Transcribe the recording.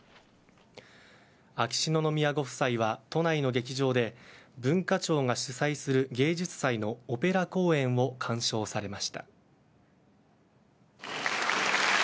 秋篠宮ご夫妻は都内の劇場で文化庁が主催する芸術祭のオペラ公演を鑑賞されました。